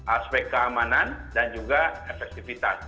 aspek keamanan dan juga efektivitas